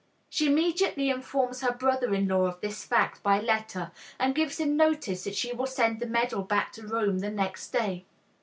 She immediately informs her brother in law of this fact by letter, and gives him notice that she will send the medal back to Rome the next day.